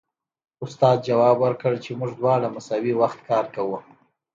استاد ځواب ورکړ چې موږ دواړه مساوي وخت کار کوو